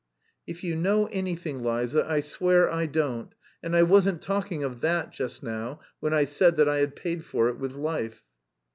"If you know anything, Liza, I swear I don't... and I wasn't talking of that just now when I said that I had paid for it with life...."